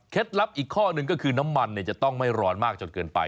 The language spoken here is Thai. ลับอีกข้อหนึ่งก็คือน้ำมันจะต้องไม่ร้อนมากจนเกินไป